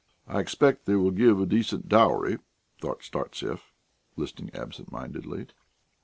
"I expect they will give a decent dowry," thought Startsev, listening absent mindedly.